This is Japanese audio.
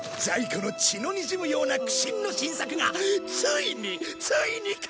ジャイ子の血のにじむような苦心の新作がついに！